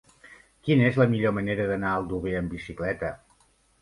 Quina és la millor manera d'anar a Aldover amb bicicleta?